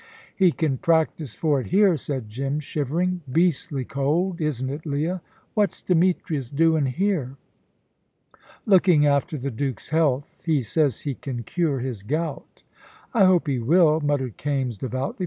"He can practise for it here," said Jim, shivering, "Beastly cold, isn't it, Leah? What's Demetrius doin' here?" "Looking after the Duke's health. He says he can cure his gout." "I hope he will," muttered Kaimes, devoutly.